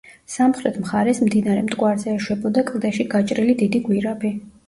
სამხრეთ მხარეს მდინარე მტკვარზე ეშვებოდა კლდეში გაჭრილი დიდი გვირაბი.